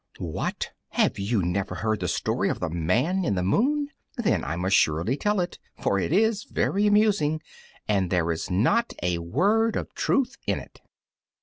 WHAT! have you never heard the story of the Man in the Moon? Then I must surely tell it, for it is very amusing, and there is not a word of truth in it.